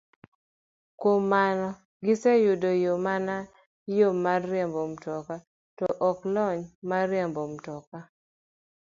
Kuom mano, giseyudo mana yo mar riembo mtoka, to ok lony mar riembo mtoka.